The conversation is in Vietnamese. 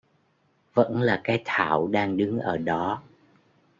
Vẫn là cái thảo đang đứng ở đó